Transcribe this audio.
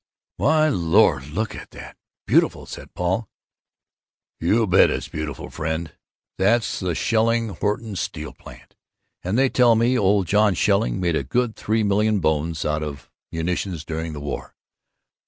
"My Lord, look at that beautiful!" said Paul. "You bet it's beautiful, friend. That's the Shelling Horton Steel Plant, and they tell me old John Shelling made a good three million bones out of munitions during the war!"